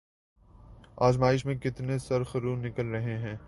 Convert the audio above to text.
آزمائش میں کتنے سرخرو نکل رہے ہیں۔